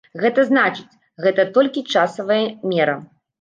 Гэта значыць, гэта толькі часавая мера?